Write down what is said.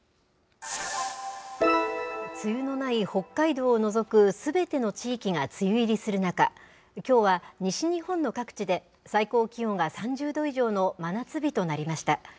梅雨のない北海道を除くすべての地域が梅雨入りする中、きょうは西日本の各地で、最高気温が３０度以上の真夏日となりました。